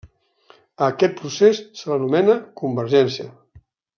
A aquest procés se l'anomena convergència.